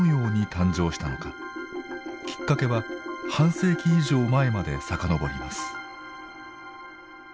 きっかけは半世紀以上前まで遡ります。